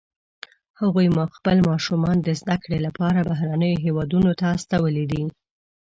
هغوی خپل ماشومان د زده کړې لپاره بهرنیو هیوادونو ته استولي دي